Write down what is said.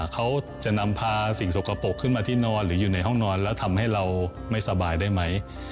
เขาจะนำพาสิ่งสกปรกขึ้นมาที่นอนหรืออยู่ในห้องนอนแล้วทำให้เราไม่สบายได้ไหม